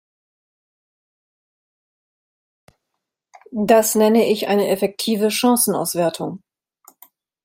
Das nenne ich eine effektive Chancenauswertung!